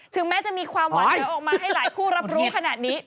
แม้จะมีความหวานเหลือออกมาให้หลายคู่รับรู้ขนาดนี้